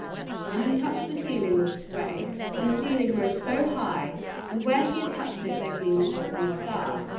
And he touched the ceiling with the spray, and the ceiling rose so high, and where he had touched it there gleamed a golden star.